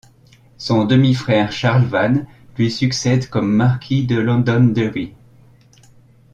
Son demi-frère Charles Vane lui succède comme marquis de Londonderry.